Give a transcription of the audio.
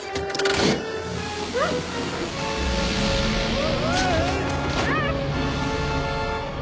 うわ！